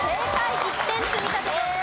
１点積み立てです。